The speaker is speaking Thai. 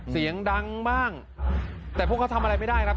เสียงดังบ้างแต่พวกเขาทำอะไรไม่ได้ครับ